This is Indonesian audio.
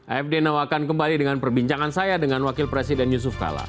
afd nawakan kembali dengan perbincangan saya dengan wakil presiden yusuf kalla